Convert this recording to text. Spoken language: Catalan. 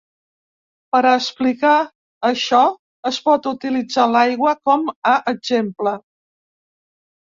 Per a explicar això es pot utilitzar l'aigua com a exemple.